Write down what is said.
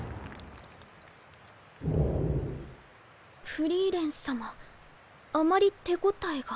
フリーレン様あまり手応えが。